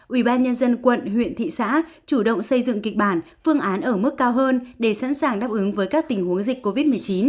ubnd quận huyện thị xã chủ động xây dựng kịch bản phương án ở mức cao hơn để sẵn sàng đáp ứng với các tình huống dịch covid một mươi chín